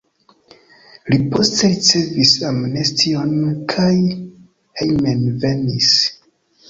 Li poste ricevis amnestion kaj hejmenvenis.